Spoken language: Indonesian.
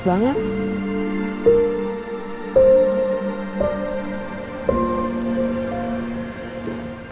biar aku nyantai